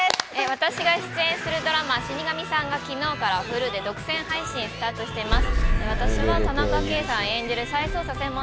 私が出演するドラマ『死神さん』が昨日からＨｕｌｕで独占配信をスタートしています。